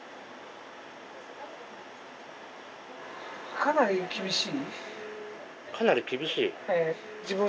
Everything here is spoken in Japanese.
かなり厳しい？